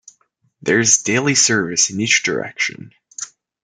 There is daily service in each direction.